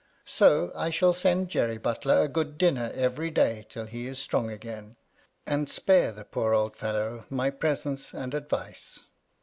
So I shall send Jerry Butler a good dinner every day till he is strong again ; and spare the poor old fellow my presence and advice."